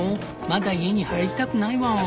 まだ家に入りたくないワン。